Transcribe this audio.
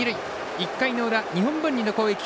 １回の裏、日本文理の攻撃。